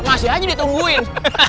masih aja ditungguin